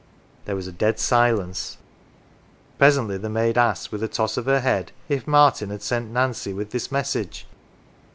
There was a dead silence. Presently the maid asked, with a toss of her head, if Martin had sent Nancy with this message.